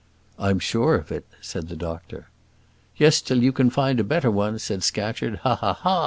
"I'm sure of it," said the doctor. "Yes, till you find a better one," said Scatcherd. "Ha! ha! ha!